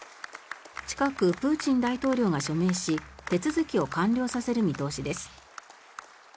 近く、プーチン大統領が署名し手続きを完了させる見通しです。